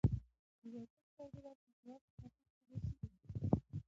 د زیتونو تولیدات د هیواد په ختیځ کې ډیر شوي دي.